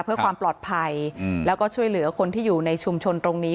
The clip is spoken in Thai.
เพื่อความปลอดภัยแล้วก็ช่วยเหลือคนที่อยู่ในชุมชนตรงนี้